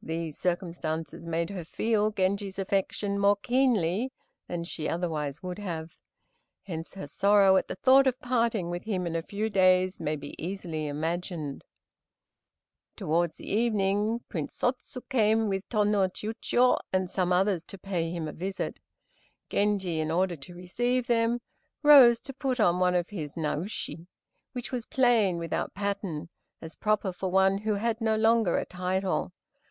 These circumstances made her feel Genji's affection more keenly than she otherwise would have; hence her sorrow at the thought of parting with him in a few days may be easily imagined. Towards the evening Prince Sotz came with Tô no Chiûjiô and some others to pay him a visit. Genji, in order to receive them, rose to put on one of his Naoshi, which was plain, without pattern, as proper for one who had no longer a title.